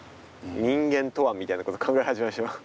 「人間とは？」みたいなこと考え始め。